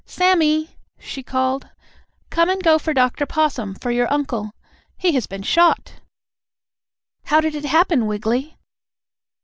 Sammie!" she called, "come and go for Dr. Possum, for your uncle. He has been shot. How did it happen, Wiggily?"